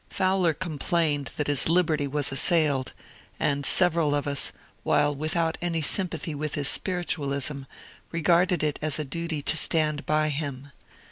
Fowler complained that his liberty was assailed, and several of us, while without any sympathy with his spiritualism, regarded it as a duty to stand by him.